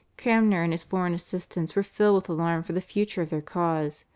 Cranmer and his foreign assistants were filled with alarm for the future of their cause.